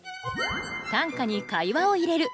短歌に会話を入れる。